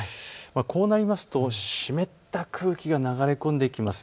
こうなると、湿った空気が流れ込んできます。